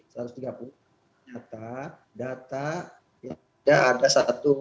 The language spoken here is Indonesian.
ternyata data tidak ada satu